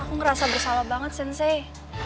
aku ngerasa bersalah banget sensey